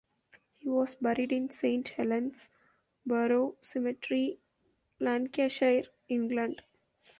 He was buried in Saint Helens Borough Cemetery, Lancashire, England.